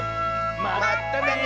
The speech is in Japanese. まったね！